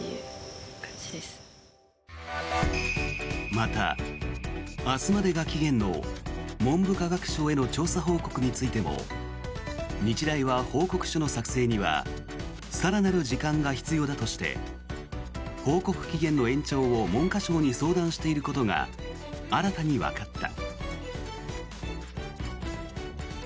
また、明日までが期限の文部科学省への調査報告についても日大は報告書の作成には更なる時間が必要だとして報告期限の延長を文科省に相談していることが新たにわかった。